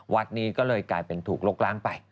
วัดนี้ก็เลยกลายเป็นถูกลกล้างไป